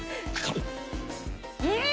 うん！